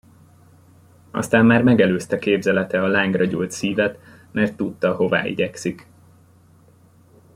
Aztán már megelőzte képzelete a lángra gyúlt szívet, mert tudta, hová igyekszik.